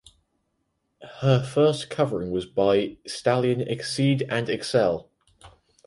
Her first covering was by stallion Exceed And Excel.